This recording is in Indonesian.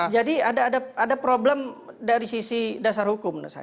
jadi ada problem dari sisi dasar hukum